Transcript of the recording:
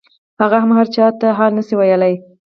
هغه هم هرچا ته حال نسو ويلاى.